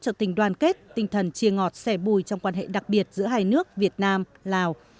cho tình đoàn kết tinh thần chia ngọt sẻ bùi trong quan hệ đặc biệt giữa hai nước việt nam lào